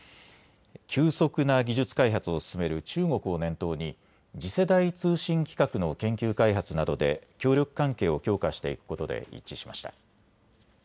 急速な技術開発を進める中国を念頭に次世代通信規格の研究開発などで協力関係を強化していくことで一致しました。